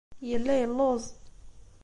Yella yelluẓ.